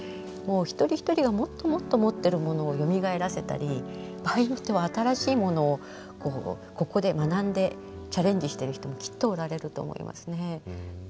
一人一人がもっともっと持ってるものをよみがえらせたり場合によっては新しいものをここで学んでチャレンジしてる人もきっとおられると思いますね。